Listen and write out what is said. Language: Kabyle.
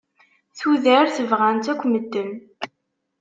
Tudert, bɣan-tt akk medden.